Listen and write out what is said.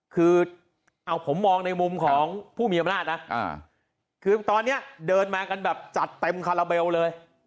คือเอาผมมองในมุมของผู้มีอำนาจนะคือตอนนี้เดินมากันแบบจัดเต็มคาราเบลเลย